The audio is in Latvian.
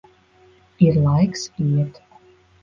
Ir laiks iet.